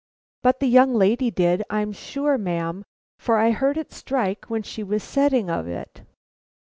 But the young lady did, I'm sure, ma'am, for I heard it strike when she was setting of it."